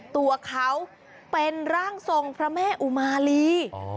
ตัวเขาเป็นร่างทรงพระแม่อุมาลี